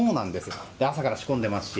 朝から仕込んでいますし。